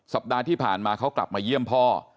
สัปดาห์ที่ผ่านมาเขากลับมาเยี่ยมพ่อ